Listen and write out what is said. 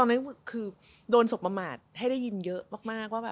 มีความประสบประมาทให้ได้ยินเยอะมาก